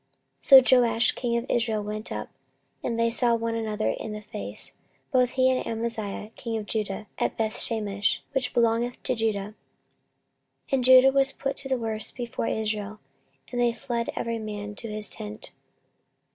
14:025:021 So Joash the king of Israel went up; and they saw one another in the face, both he and Amaziah king of Judah, at Bethshemesh, which belongeth to Judah. 14:025:022 And Judah was put to the worse before Israel, and they fled every man to his tent.